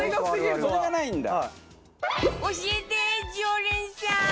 それがないんだ。